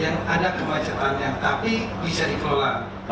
yang ada kemacetannya tapi bisa dikelola